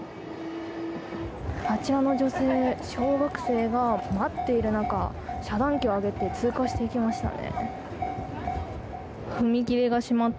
あちらの女性、小学生は待っている中、遮断機を上げて通過していきましたね。